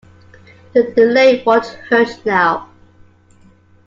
The delay won't hurt now.